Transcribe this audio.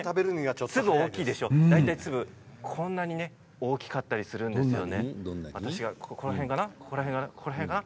粒、こんなに大きかったりするんですよね。